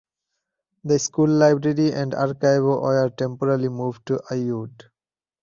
The school library and archive were temporarily moved to Aiud.